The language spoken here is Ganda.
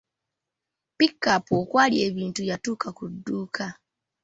Pikapu okwali ebintu yatuuka ku dduuka.